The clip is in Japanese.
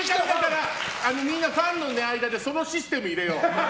みんなファンの間にそのシステム入れよう。